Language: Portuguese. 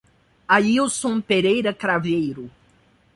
Ailson Pereira Craveiro